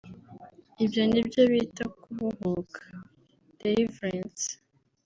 Ibyo ni byo bita kubohoka (delivrance)